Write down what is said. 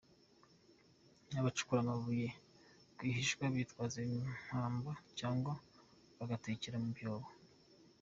Abacukura amabuye rwihishwa bitwaza impamba cyangwa bagatekera mu myobo.